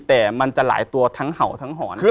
แต่มันจะหลายตัวทั้งเห่าทั้งหอน